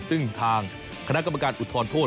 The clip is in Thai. ซึ่งทางคณะกรรมการอุทธรณโทษ